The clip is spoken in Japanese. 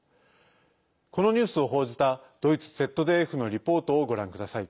このニュースを報じたドイツＺＤＦのリポートをご覧ください。